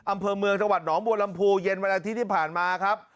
อำเภอเมืองจังหวัดหนองบัวลำพูเย็นวันอาทิตย์ที่ผ่านมาครับ